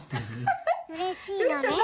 うれしいのね。